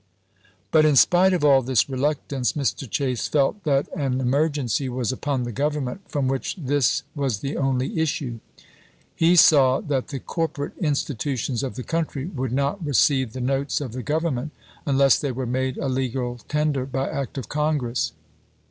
Report of Alexander Hamilton on a National Bank. 1790. But in spite of all this reluctance Mr. Chase felt that an emergency was upon the Government from which this was the only issue. He saw that the corporate institutions of the country would not receive the notes of the Government unless they were made a legal tender by act of Congress.